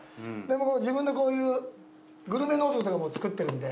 自分でこういうグルメノートという物作ってるんで。